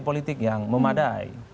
politik yang memadai